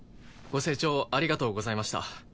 ご清聴ありがとうございました。